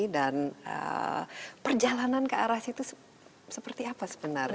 dan perjalanan ke arah situ seperti apa sebenarnya